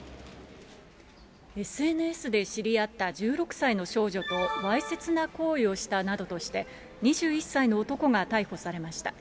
ＳＮＳで知り合った１６歳の少女とわいせつな行為をしたなどとして、２１歳の男が逮捕されました。